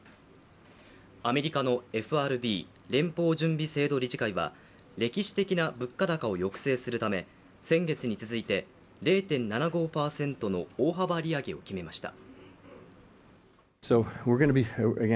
アメリカのＦＲＢ＝連邦準備制度理事会は歴史的な物価高を抑制するため先月に続いて０．７５％の大幅利上げを決めました。